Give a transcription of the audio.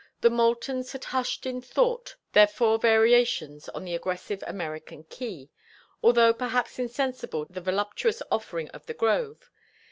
The Moultons had hushed in thought their four variations on the aggressive American key, although perhaps insensible to the voluptuous offering of the grove.